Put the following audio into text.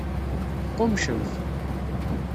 Teqqummcemt.